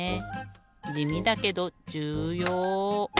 じみだけどじゅうよう！